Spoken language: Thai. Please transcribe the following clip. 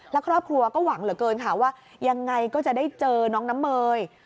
แล้วครอบครัวก็หวังเหลือเกินค่ะว่ายังไงก็จะได้เจอน้องน้ำเมย